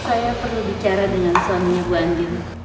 saya perlu bicara dengan suaminya bu anggi